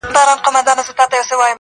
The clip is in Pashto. بم دی ټوپکوال ولاړ دي,